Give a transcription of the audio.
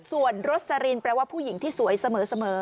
ส่วนโรสลินแปลว่าผู้หญิงที่สวยเสมอ